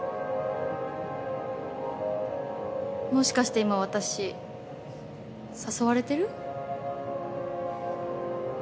もしかして今私誘われてる？